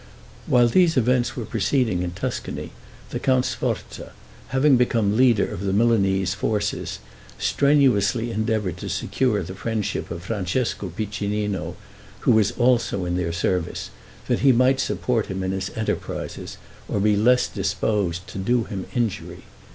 While these events were proceeding in Tuscany the Count Sforza, having become leader of the Milanese forces, strenuously endeavored to secure the friendship of Francesco Piccinino, who was also in their service, that he might support him in his enterprises, or be less disposed to do him injury.